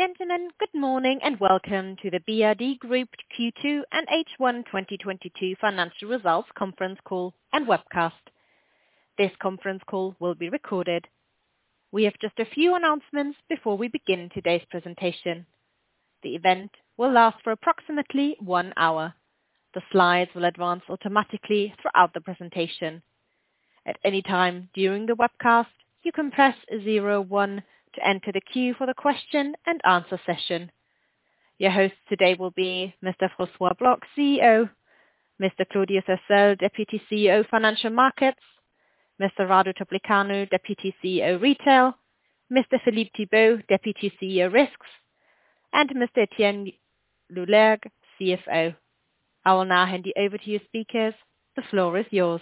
Ladies and gentlemen, good morning and welcome to the BRD Group Q2 and H1 2022 financial results conference call and webcast. This conference call will be recorded. We have just a few announcements before we begin today's presentation. The event will last for approximately one hour. The slides will advance automatically throughout the presentation. At any time during the webcast, you can press zero one to enter the queue for the question-and-answer session. Your hosts today will be Mr. François Bloch, CEO, Mr. Claudiu Cercel, Deputy CEO, Financial Markets, Mr. Radu Topliceanu, Deputy CEO, Retail, Mr. Philippe Thibaud, Deputy CEO, Risks, and Mr. Etienne Loulergue, CFO. I will now hand you over to your speakers. The floor is yours.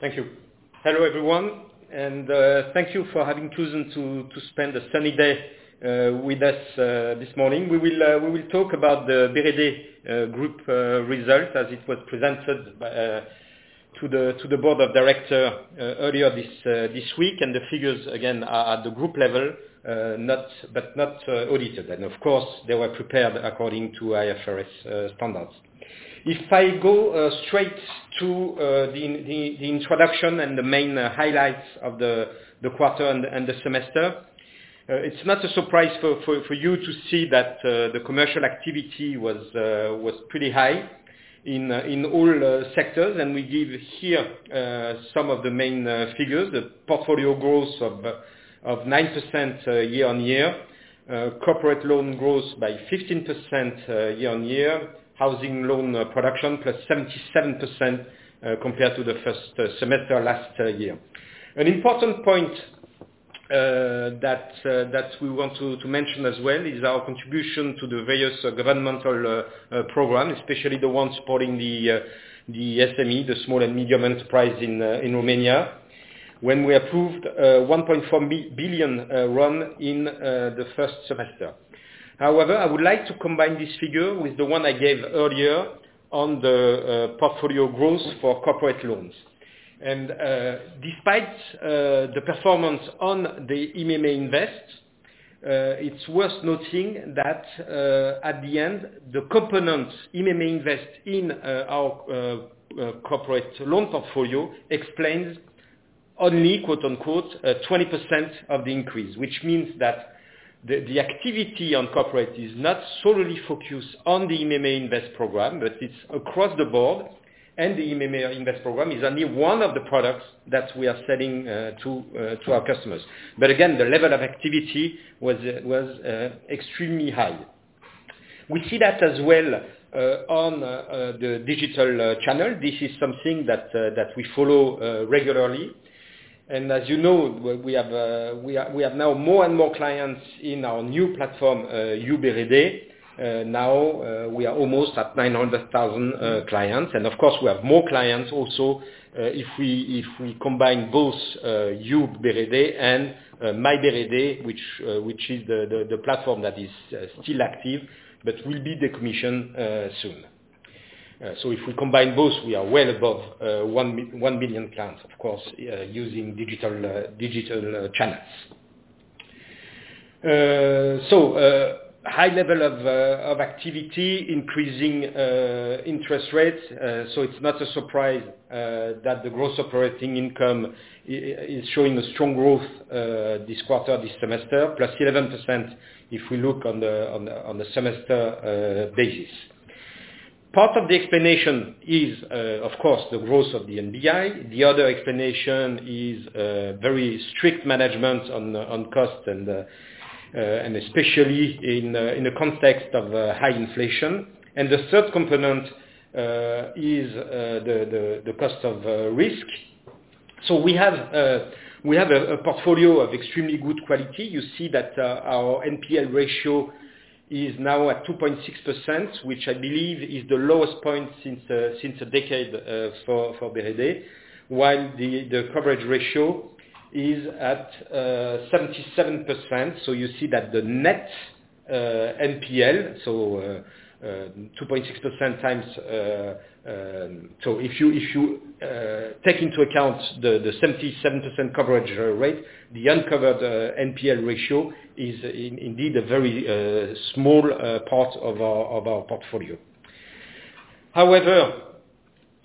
Thank you. Hello, everyone, and thank you for having chosen to spend a sunny day with us this morning. We will talk about the BRD - Groupe Société Générale result as it was presented to the board of directors earlier this week. The figures, again, are at the group level, but not audited. Of course, they were prepared according to IFRS standards. If I go straight to the introduction and the main highlights of the quarter and the semester, it's not a surprise for you to see that the commercial activity was pretty high in all sectors. We give here some of the main figures. The portfolio growth of 9%, year-on-year. Corporate loan growth by 15%, year-on-year. Housing loan production, +77%, compared to the first semester last year. An important point that we want to mention as well is our contribution to the various governmental program, especially the one supporting the SME, the small and medium enterprise in Romania, when we approved RON 1.4 billion in the first semester. However, I would like to combine this figure with the one I gave earlier on the portfolio growth for corporate loans. Despite the performance on the IMM Invest, it's worth noting that at the end, the IMM Invest component in our corporate loan portfolio explains only quote-unquote 20% of the increase. Which means that the activity on corporate is not solely focused on the IMM Invest program, but it's across the board, and the IMM Invest program is only one of the products that we are selling to our customers. Again, the level of activity was extremely high. We see that as well on the digital channel. This is something that we follow regularly. As you know, we have now more and more clients in our new platform YOU BRD. Now, we are almost at 900,000 clients. Of course we have more clients also if we combine both YOU BRD and MyBRD, which is the platform that is still active but will be decommissioned soon. If we combine both, we are well above one million clients, of course, using digital channels. High level of activity, increasing interest rates, so it's not a surprise that the gross operating income is showing a strong growth this quarter, this semester, +11% if we look on the semester basis. Part of the explanation is, of course, the growth of the NBI. The other explanation is very strict management on cost and especially in the context of high inflation. The third component is the cost of risk. We have a portfolio of extremely good quality. You see that our NPL ratio is now at 2.6%, which I believe is the lowest point since a decade for BRD. While the coverage ratio is at 77%, so you see that the net NPL, so 2.6% times. If you take into account the 77% coverage rate, the uncovered NPL ratio is indeed a very small part of our portfolio. However,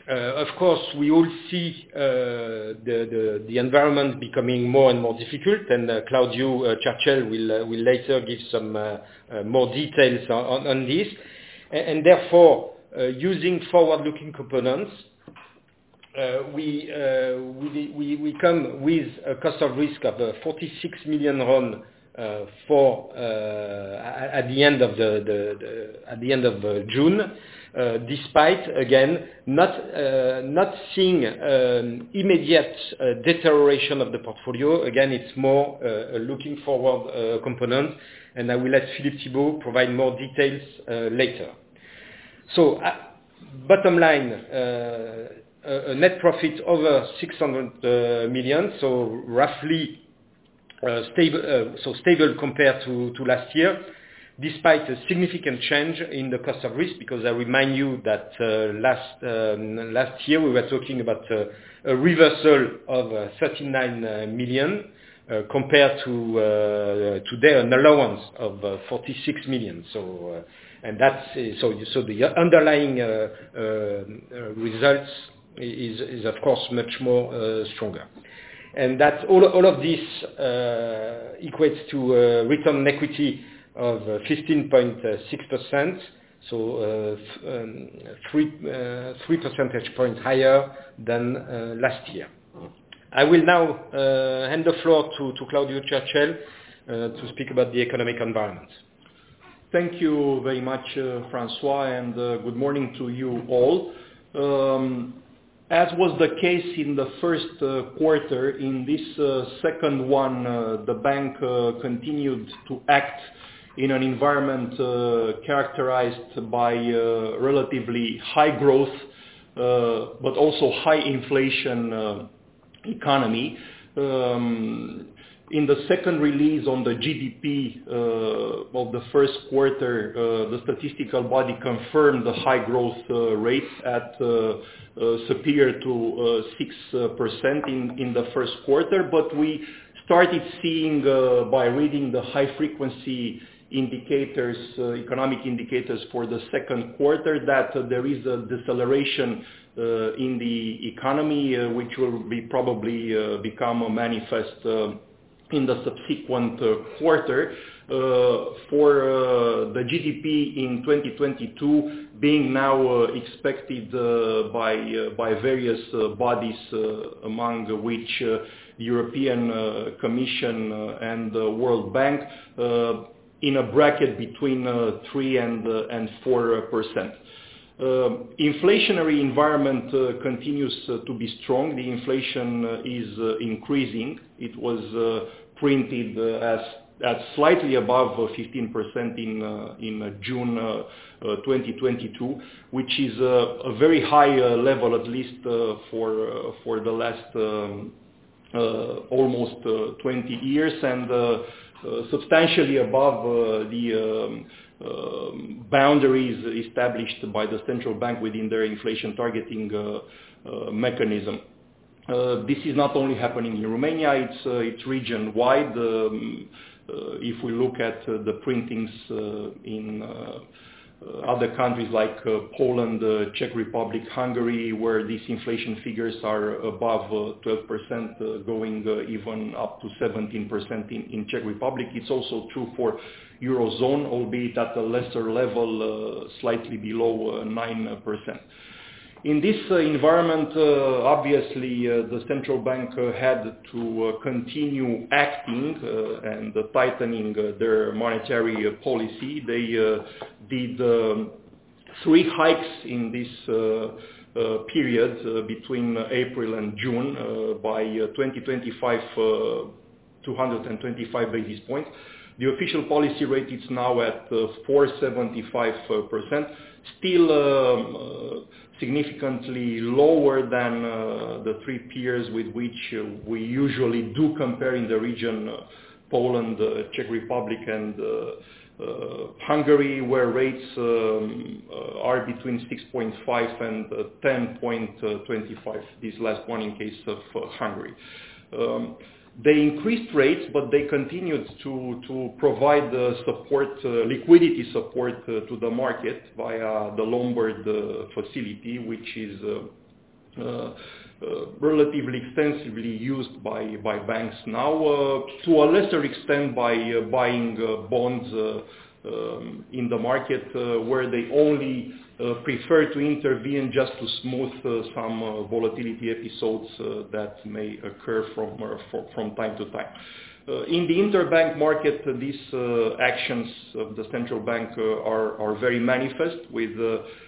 of course, we all see the environment becoming more and more difficult, and Claudiu Cercel will later give some more details on this. Therefore, using forward-looking components, we come with a cost of risk of RON 46 million at the end of June. Despite again not seeing immediate deterioration of the portfolio. Again, it's more a forward-looking component, and I will let Philippe Thibaud provide more details later. Bottom line, a net profit over RON 600 million, so roughly stable compared to last year. Despite a significant change in the cost of risk, because I remind you that last year, we were talking about a reversal of RON 39 million, compared to today an allowance of RON 46 million. The underlying results is of course much more stronger. That all of this equates to return equity of 15.6%. Three percentage points higher than last year. I will now hand the floor to Claudiu Cercel to speak about the economic environment. Thank you very much, François, and good morning to you all. As was the case in the first quarter, in this second one, the bank continued to act in an environment characterized by relatively high growth, but also high inflation economy. In the second release on the GDP of the first quarter, the statistical body confirmed the high growth rates superior to 6% in the first quarter. We started seeing by reading the high frequency indicators, economic indicators for the second quarter, that there is a deceleration in the economy, which will probably become manifest in the subsequent quarter. For the GDP in 2022 being now expected by various bodies, among which European Commission and the World Bank, in a bracket between 3% and 4%. Inflationary environment continues to be strong. The inflation is increasing. It was printed as at slightly above 15% in June 2022, which is a very high level, at least for the last almost 20 years, and substantially above the boundaries established by the central bank within their inflation targeting mechanism. This is not only happening in Romania, it's region-wide. If we look at the printings in other countries like Poland, Czech Republic, Hungary, where these inflation figures are above 12%, going even up to 17% in Czech Republic. It's also true for Eurozone, albeit at a lesser level, slightly below 9%. In this environment, obviously, the central bank had to continue acting and tightening their monetary policy. They did 3 hikes in this period between April and June by 225 basis points. The official policy rate is now at 4.75%, still significantly lower than the three peers with which we usually do compare in the region, Poland, Czech Republic and Hungary, where rates are between 6.5% and 10.25%, this last one in case of Hungary. They increased rates, but they continued to provide the support, liquidity support to the market via the Lombard Facility, which is relatively extensively used by banks now, to a lesser extent by buying bonds in the market, where they only prefer to intervene just to smooth some volatility episodes that may occur from time to time. In the interbank market, these actions of the central bank are very manifest with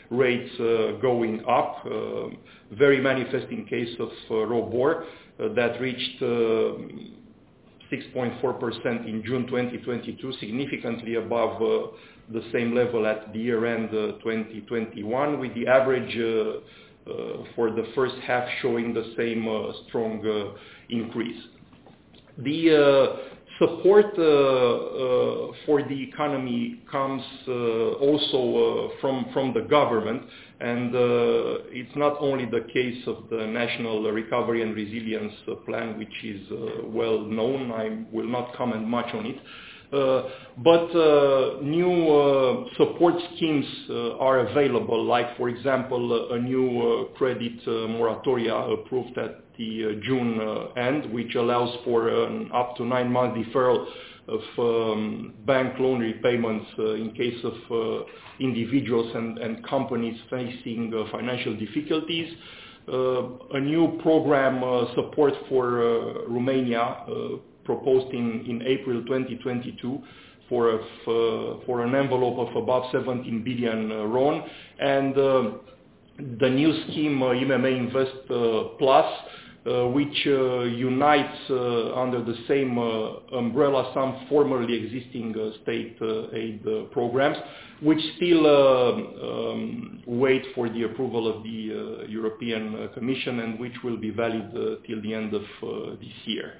rates going up, very manifest in case of ROBOR that reached 6.4% in June 2022, significantly above the same level at the year-end 2021, with the average for the first half showing the same strong increase. The support for the economy comes also from the government. It's not only the case of the National Recovery and Resilience Plan, which is well-known. I will not comment much on it. New support schemes are available. Like for example, a new credit moratoria approved at the June end, which allows for up to 9 months deferral of bank loan repayments in case of individuals and companies facing financial difficulties. A new program Support for Romania proposed in April 2022 for an envelope of about RON 17 billion. The new scheme, IMM Invest Plus, which unites under the same umbrella some formerly existing state aid programs, which still wait for the approval of the European Commission and which will be valid till the end of this year.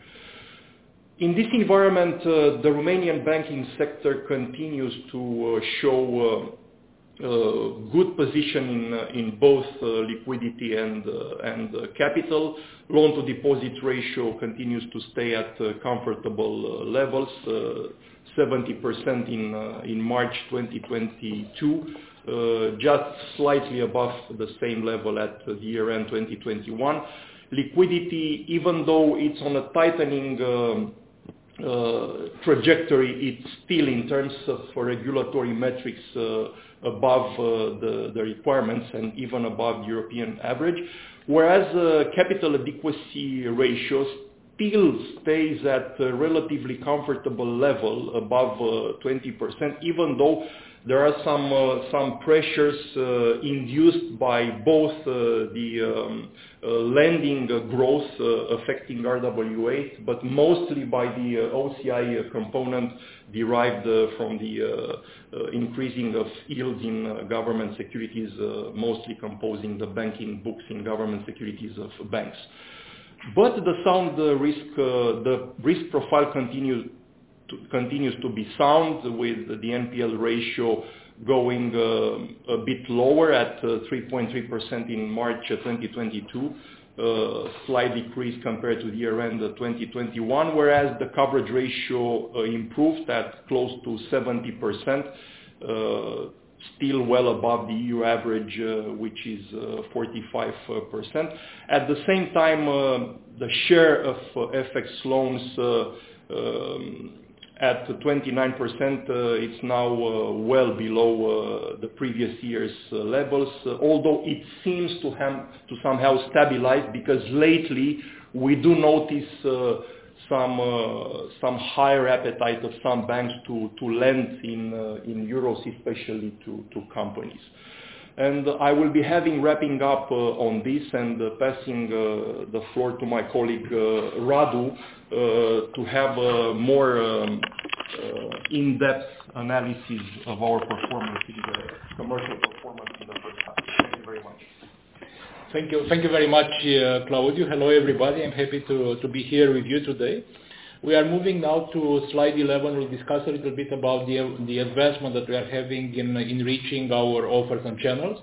In this environment, the Romanian banking sector continues to show good position in both liquidity and capital. Loan to deposit ratio continues to stay at comfortable levels, 70% in March 2022, just slightly above the same level at year-end 2021. Liquidity, even though it's on a tightening trajectory, it's still in terms of for regulatory metrics above the requirements and even above European average. Whereas capital adequacy ratios still stays at a relatively comfortable level above 20%, even though there are some pressures induced by both the lending growth affecting RWA, but mostly by the OCI component derived from the increasing of yields in government securities, mostly composing the banking books in government securities of banks. The risk profile continues to be sound with the NPL ratio going a bit lower at 3.3% in March 2022, slight decrease compared to the year-end 2021, whereas the coverage ratio improved at close to 70%, still well above the peer average, which is 45%. At the same time, the share of FX loans at 29%, it's now well below the previous year's levels, although it seems to somehow stabilize, because lately we do notice some higher appetite of some banks to lend in euros, especially to companies. I will be wrapping up on this and passing the floor to my colleague Radu to have a more in-depth analysis of our commercial performance in the first half. Thank you very much. Thank you. Thank you very much, Claudiu. Hello, everybody. I'm happy to be here with you today. We are moving now to slide 11. We'll discuss a little bit about the advancement that we are having in reaching our offers and channels.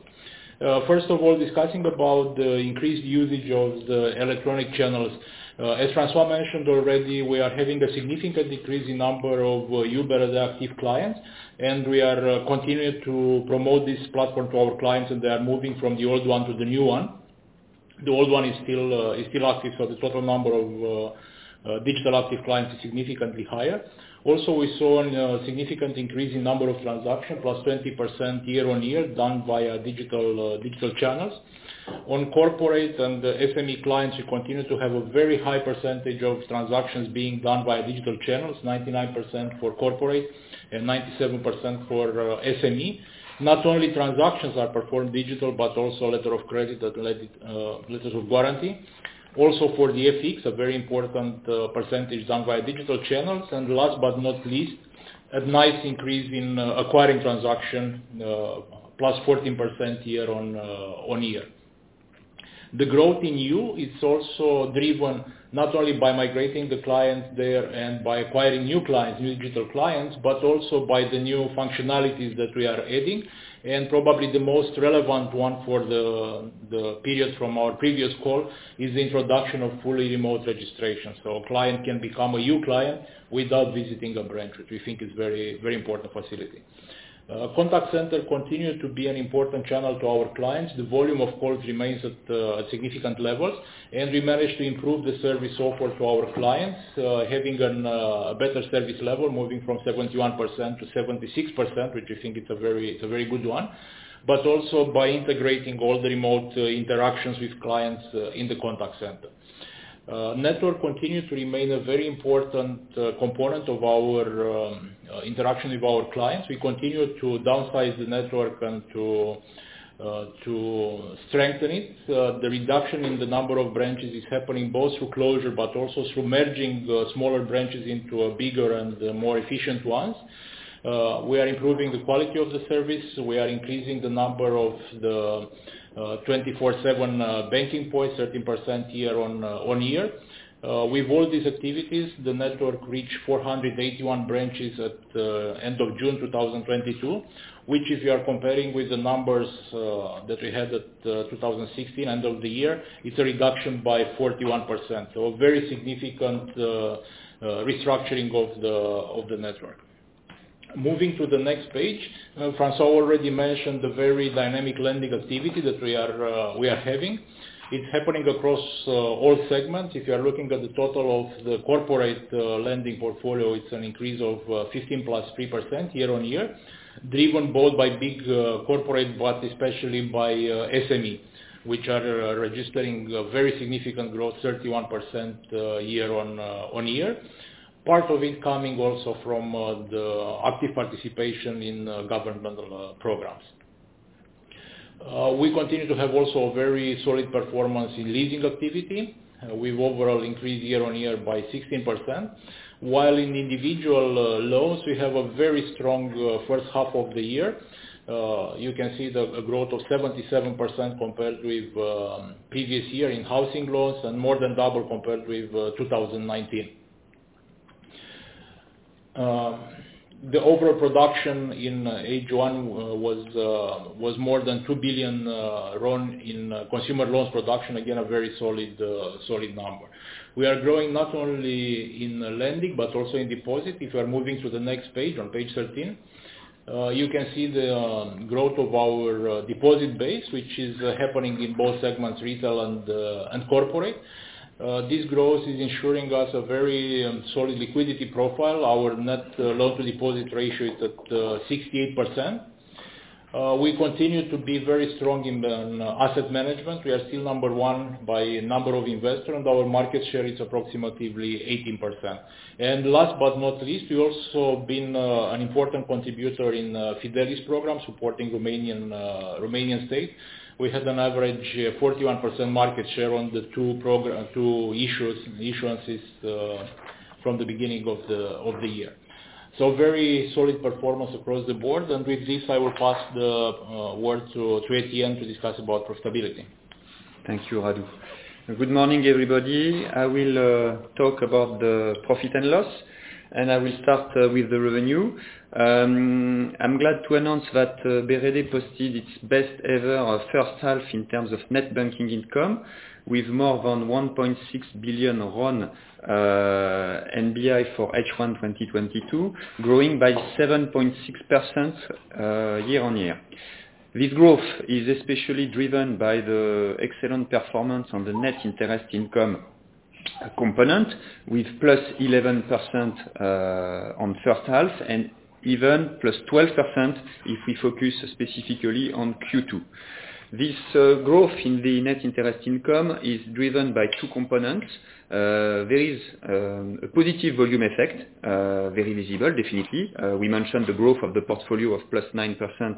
First of all, discussing about the increased usage of the electronic channels. As François mentioned already, we are having a significant decrease in number of MyBRD active clients, and we are continuing to promote this platform to our clients, and they are moving from the old one to the new one. The old one is still active, but the total number of digital active clients is significantly higher. Also, we saw a significant increase in number of transactions, plus 20% year-on-year done via digital channels. On corporate and SME clients, we continue to have a very high percentage of transactions being done via digital channels, 99% for corporate and 97% for SME. Not only transactions are performed digitally, but also letter of credit and letters of warranty. Also for the FX, a very important percentage done via digital channels. Last but not least, a nice increase in acquiring transactions +14% year-on-year. The growth in YOU BRD is also driven not only by migrating the clients there and by acquiring new clients, new digital clients, but also by the new functionalities that we are adding. Probably the most relevant one for the period from our previous call is the introduction of fully remote registration. A client can become a new client without visiting a branch, which we think is very, very important facility. Contact center continues to be an important channel to our clients. The volume of calls remains at a significant level, and we managed to improve the service offered to our clients, having a better service level, moving from 71% to 76%, which I think it's a very good one, but also by integrating all the remote interactions with clients in the contact center. Network continues to remain a very important component of our interaction with our clients. We continue to downsize the network and to strengthen it. The reduction in the number of branches is happening both through closure, but also through merging the smaller branches into a bigger and more efficient ones. We are improving the quality of the service. We are increasing the number of the 24/7 banking points 13% year-on-year. With all these activities, the network reached 481 branches at end of June 2022, which if you are comparing with the numbers that we had at end of 2016, it's a reduction by 41%. A very significant restructuring of the network. Moving to the next page, François already mentioned the very dynamic lending activity that we are having. It's happening across all segments. If you are looking at the total of the corporate lending portfolio, it's an increase of 18% year-on-year, driven both by big corporate, but especially by SME, which are registering a very significant growth, 31% year-on-year. Part of it coming also from the active participation in governmental programs. We continue to have also a very solid performance in lending activity. We've overall increased year-on-year by 16%, while in individual loans, we have a very strong first half of the year. You can see the growth of 77% compared with previous year in housing loans and more than double compared with 2019. The overall production in H1 was more than RON 2 billion in consumer loans production. Again, a very solid number. We are growing not only in lending but also in deposit. If you are moving to the next page, on page 13, you can see the growth of our deposit base, which is happening in both segments, retail and corporate. This growth is ensuring us a very solid liquidity profile. Our net loan to deposit ratio is at 68%. We continue to be very strong in the asset management. We are still number one by number of investors, and our market share is approximately 18%. Last but not least, we also been an important contributor in Fidelis program, supporting Romanian state. We had an average 41% market share on the two issuances from the beginning of the year. Very solid performance across the board. With this, I will pass the word to Etienne to discuss about profitability. Thank you, Radu. Good morning, everybody. I will talk about the profit and loss, and I will start with the revenue. I'm glad to announce that BRD posted its best ever first half in terms of net banking income, with more than RON 1.6 billion NBI for H1 2022, growing by 7.6% year-on-year. This growth is especially driven by the excellent performance on the net interest income component, with +11% on first half, and even +12% if we focus specifically on Q2. This growth in the net interest income is driven by two components. There is a positive volume effect, very visible, definitely. We mentioned the growth of the portfolio of +9%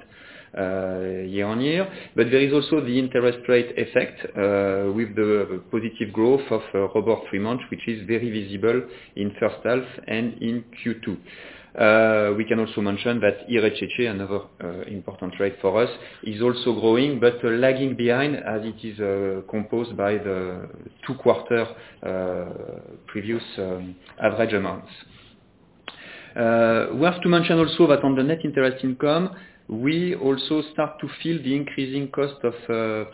year-on-year. There is also the interest rate effect, with the positive growth of about three months, which is very visible in first half and in Q2. We can also mention that IRCC, another important rate for us, is also growing, but lagging behind as it is composed by the two-quarter previous average amounts. We have to mention also that on the net interest income, we also start to feel the increasing cost of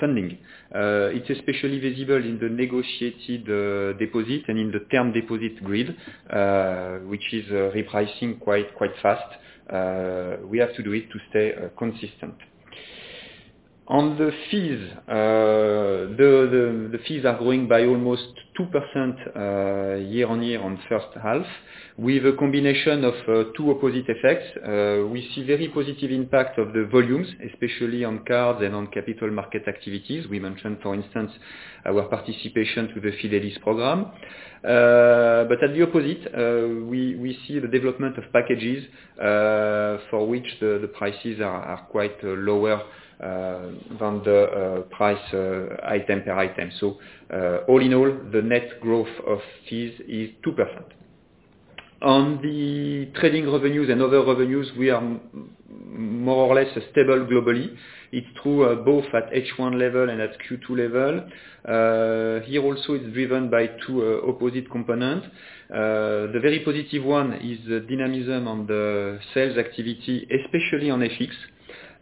funding. It's especially visible in the negotiated deposit and in the term deposit grid, which is repricing quite fast. We have to do it to stay consistent. On the fees, the fees are growing by almost 2% year-on-year on first half, with a combination of two opposite effects. We see very positive impact of the volumes, especially on cards and on capital market activities. We mentioned, for instance, our participation to the Fidelis program. At the opposite, we see the development of packages, for which the prices are quite lower than the price item per item. All in all, the net growth of fees is 2%. On the trading revenues and other revenues, we are more or less stable globally. It's true, both at H1 level and at Q2 level. Here also is driven by two opposite components. The very positive one is the dynamism on the sales activity, especially on FX.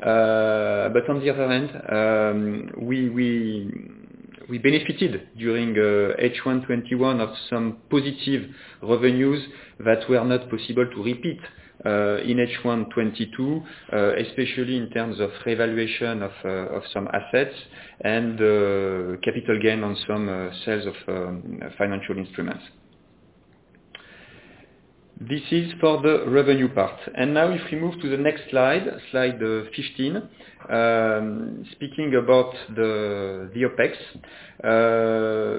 On the other hand, we benefited during H1 2021 of some positive revenues that were not possible to repeat in H1 2022, especially in terms of revaluation of some assets and capital gain on some sales of financial instruments. This is for the revenue part. Now if we move to the next slide 15. Speaking about the OpEx,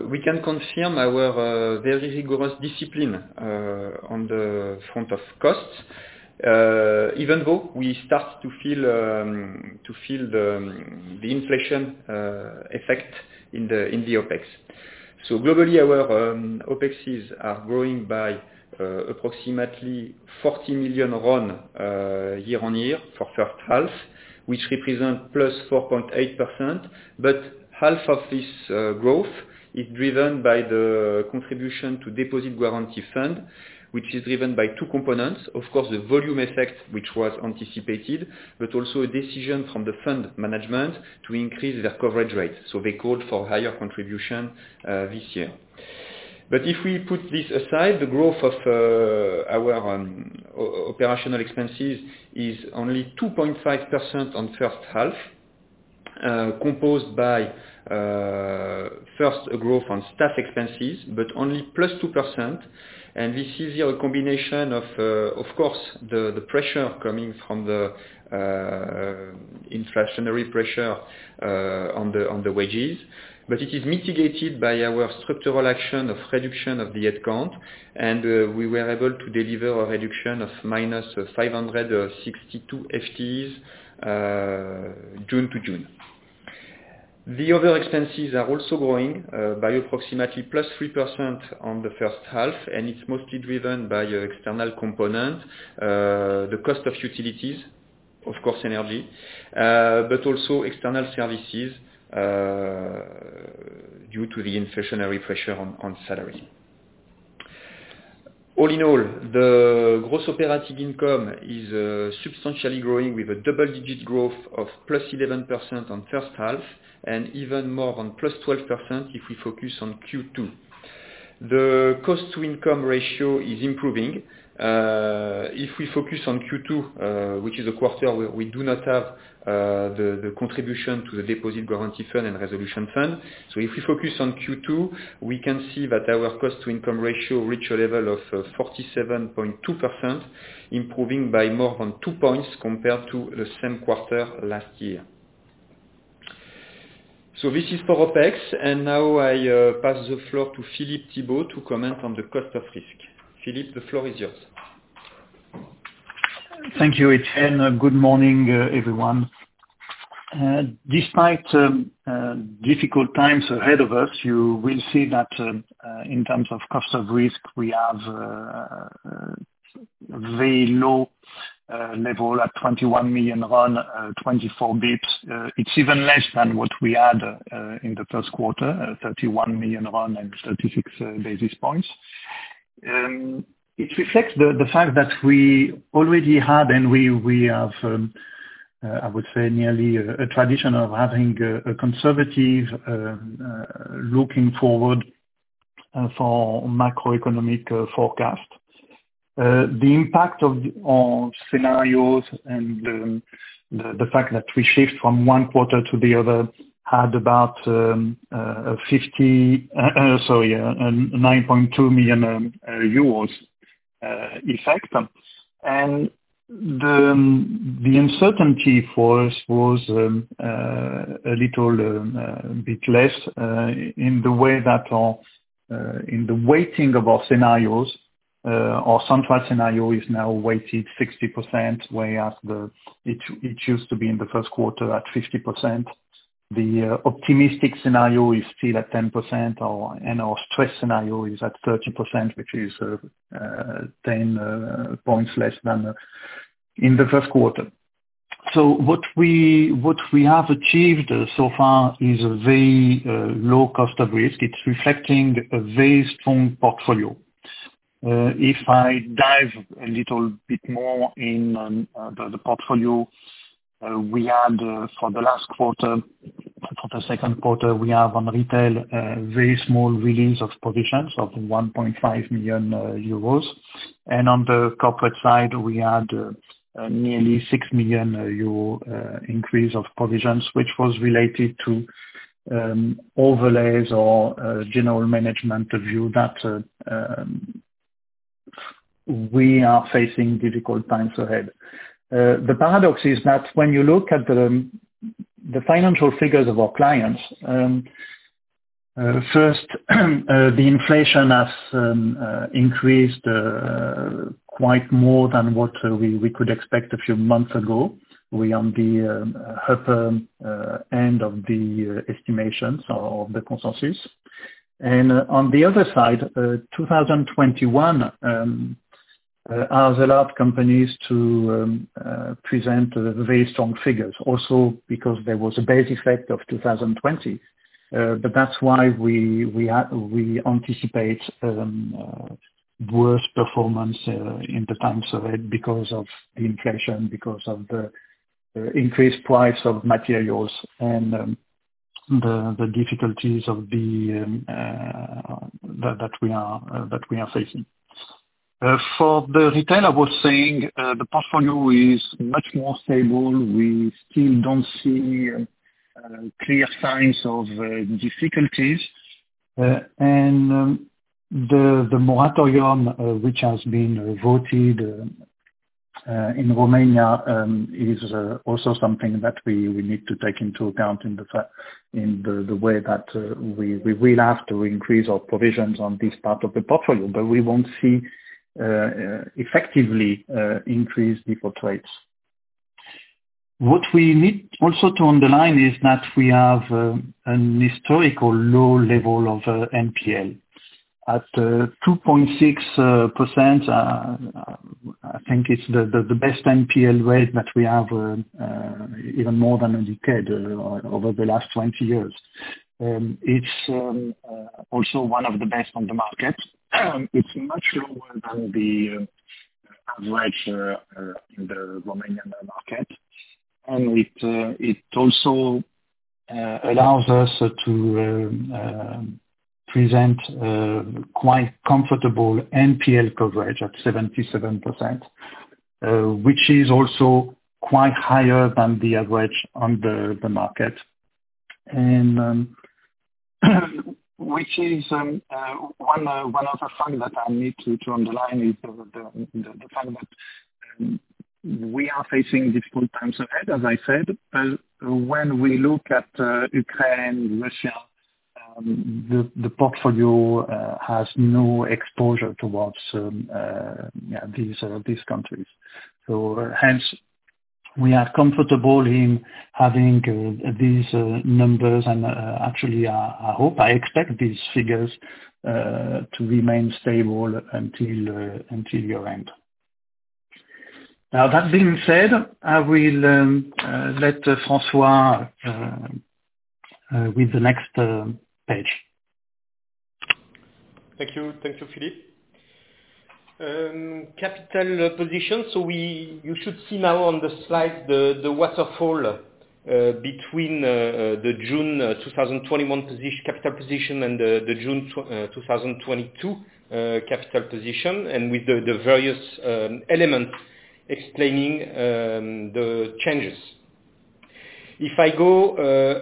we can confirm our very rigorous discipline on the front of costs, even though we start to feel the inflation effect in the OpEx. Globally, our OpExs are growing by approximately RON 40 million year-on-year for first half, which represent +4.8%, but half of this growth is driven by the contribution to Deposit Guarantee Fund, which is driven by two components. Of course, the volume effect, which was anticipated, but also a decision from the fund management to increase their coverage rate. They called for higher contribution this year. If we put this aside, the growth of our operational expenses is only 2.5% on first half, composed by, first, growth on staff expenses, but only +2%. This is the combination of course, the pressure coming from the inflationary pressure on the wages. It is mitigated by our structural action of reduction of the head count, and we were able to deliver a reduction of -500 or 562 FTEs, June to June. The other expenses are also growing by approximately +3% on the first half, and it's mostly driven by our external component, the cost of utilities, of course, energy, but also external services, due to the inflationary pressure on salaries. All in all, the gross operating income is substantially growing with a double-digit growth of +11% on first half, and even more on +12% if we focus on Q2. The cost to income ratio is improving. If we focus on Q2, which is a quarter where we do not have the contribution to the Deposit Guarantee Fund and Resolution Fund. If we focus on Q2, we can see that our cost to income ratio reached a level of 47.2%, improving by more than 2 points compared to the same quarter last year. This is for OpEx, and now I pass the floor to Philippe Thibaud to comment on the cost of risk. Philippe, the floor is yours. Thank you, Etienne. Good morning, everyone. Despite difficult times ahead of us, you will see that, in terms of cost of risk, we have very low level at RON 21 million. Now that being said, I will let François with the next page. Thank you. Thank you, Philippe. Capital position. You should see now on the slide the waterfall between the June 2021 capital position and the June 2022 capital position, and with the various elements explaining the changes. If I go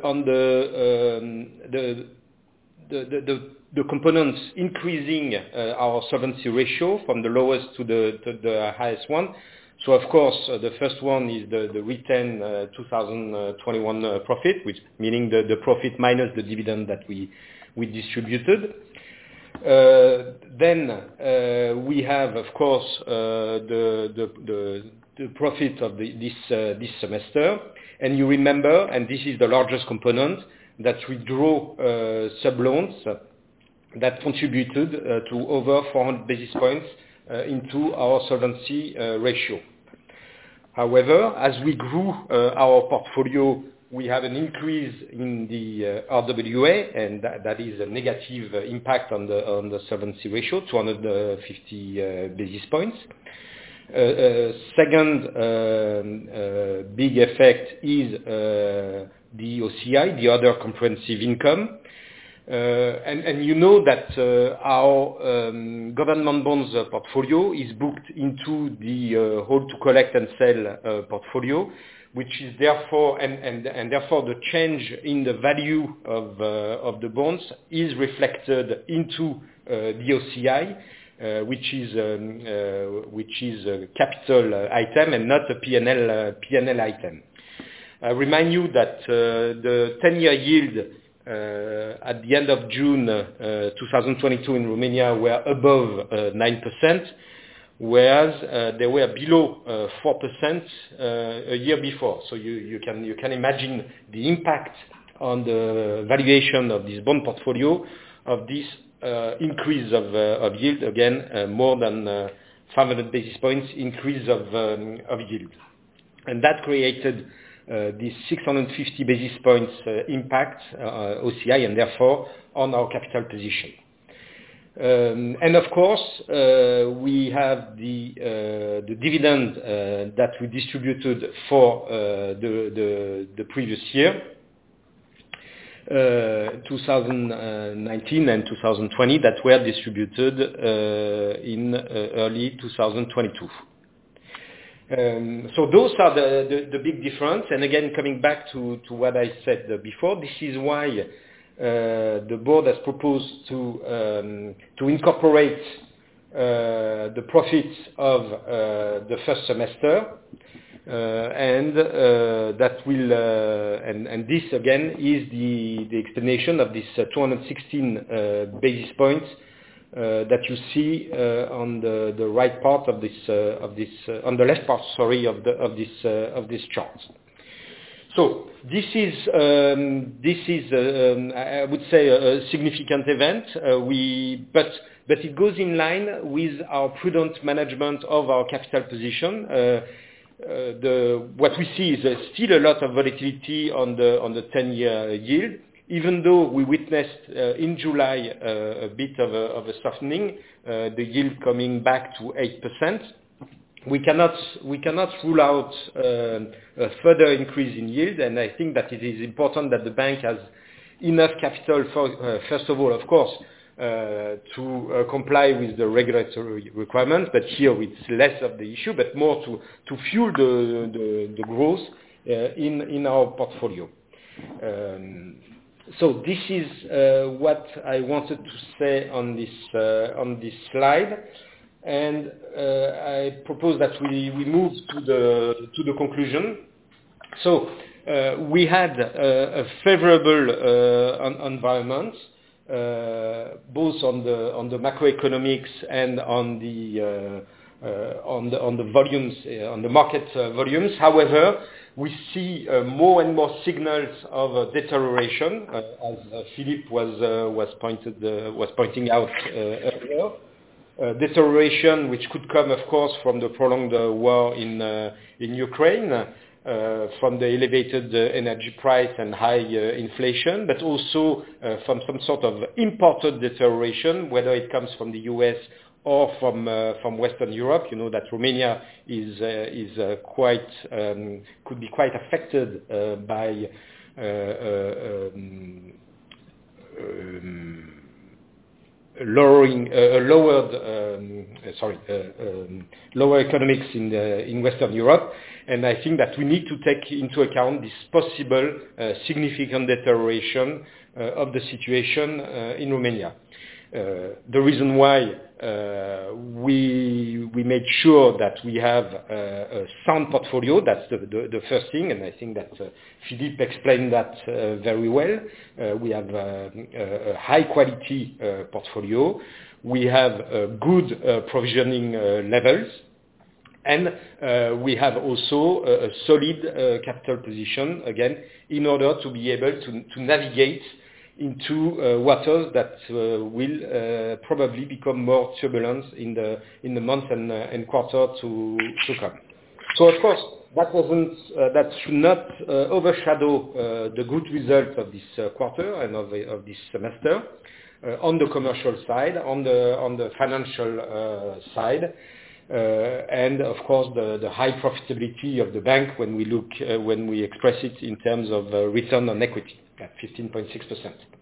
on the components increasing our solvency ratio from the lowest to the highest one. Of course, the first one is the retained 2021 profit, which meaning the profit minus the dividend that we distributed. Then we have, of course, the profit of this semester. You remember, and this is the largest component that we draw sub loans that contributed to over 400 basis points into our solvency ratio. However, as we grew our portfolio, we had an increase in the RWA, and that is a negative impact on the solvency ratio, 250 basis points. Second big effect is the OCI, the other comprehensive income. And you know that our government bonds portfolio is booked into the hold to collect and sell portfolio, which is therefore the change in the value of the bonds is reflected into the OCI, which is a capital item and not a P&L item. I remind you that the 10-year yield at the end of June 2022 in Romania were above 9%, whereas they were below 4% a year before. You can imagine the impact on the valuation of this bond portfolio of this increase of yield again more than 700 basis points increase of yield. That created this 650 basis points impact OCI and therefore on our capital position. Of course, we have the dividend that we distributed for the previous year 2019 and 2020 that were distributed in early 2022. Those are the big difference. Again, coming back to what I said before, this is why the board has proposed to incorporate the profits of the first semester. That will. This again is the explanation of this 216 basis points that you see on the right part of this, on the left part, sorry, of this chart. This is I would say a significant event. But it goes in line with our prudent management of our capital position. What we see is still a lot of volatility on the ten-year yield. Even though we witnessed in July a bit of a softening, the yield coming back to 8%, we cannot rule out a further increase in yield. I think that it is important that the bank has enough capital for first of all, of course, to comply with the regulatory requirements, but here it's less of the issue, but more to fuel the growth in our portfolio. This is what I wanted to say on this slide. I propose that we move to the conclusion. We had a favorable environment both on the macroeconomics and on the volumes on the market volumes. However, we see more and more signals of deterioration as Philippe was pointing out earlier. A deterioration which could come, of course, from the prolonged war in Ukraine, from the elevated energy price and high inflation, but also from some sort of imported deterioration, whether it comes from the U.S. or from Western Europe. You know that Romania could be quite affected by lower economics in Western Europe. I think that we need to take into account this possible significant deterioration of the situation in Romania. The reason why we make sure that we have a sound portfolio, that's the first thing, and I think that Philippe explained that very well. We have a high quality portfolio. We have good provisioning levels. We have also a solid capital position, again, in order to be able to navigate into waters that will probably become more turbulent in the months and quarters to come. Of course, that should not overshadow the good results of this quarter and of this semester on the commercial side, on the financial side. Of course, the high profitability of the bank when we express it in terms of return on equity at 15.6%.